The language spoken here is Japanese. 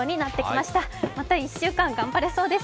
また１週間頑張れそうです。